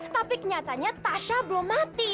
tapi kenyataannya tasya belum mati